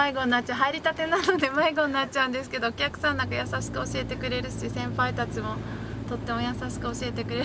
入りたてなので迷子になっちゃうんですけどお客さんなんか優しく教えてくれるし先輩たちもとっても優しく教えてくれるんで助かってます。